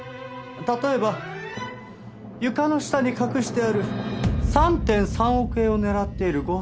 例えば床の下に隠してある３．３億円を狙っている強盗とか。